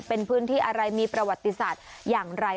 เป็นพื้นที่อะไรมีประวัติศาสตร์อย่างไร